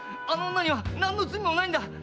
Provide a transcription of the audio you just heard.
あの女には何の罪もないんだ！